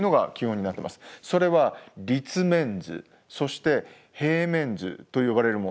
それは立面図そして平面図と呼ばれるものです。